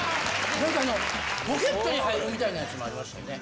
なんかあの、ポケットに入るみたいなやつもありましたよね。